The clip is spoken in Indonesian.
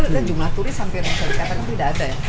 dan jumlah turis sampai sekarang tidak ada ya